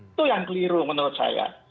itu yang keliru menurut saya